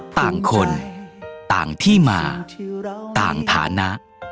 ต่างคนต่างที่มาต่างฐานะ